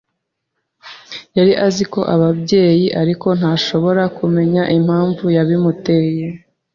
Yari azi ko ababaye, ariko ntashobora kumenya impamvu yabimuteye.